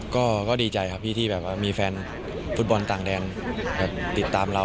ก็ดีใจครับที่มีแฟนฟุตบอลต่างแดนติดตามเรา